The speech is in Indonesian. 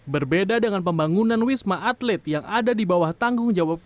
berbeda dengan pembangunan wisma atlet yang ada di bawah tanggung jawab